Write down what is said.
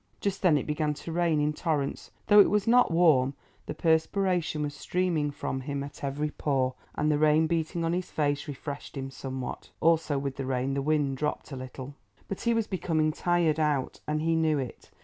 Just then it began to rain in torrents. Though it was not warm the perspiration was streaming from him at every pore, and the rain beating on his face refreshed him somewhat; also with the rain the wind dropped a little. But he was becoming tired out and he knew it.